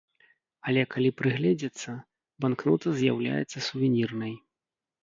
Але калі прыгледзецца, банкнота з'яўляецца сувенірнай.